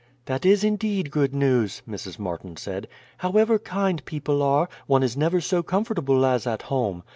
"That is indeed good news," Mrs. Martin said. "However kind people are, one is never so comfortable as at home.